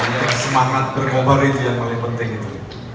terima kasih semangat berkobar itu yang paling penting itu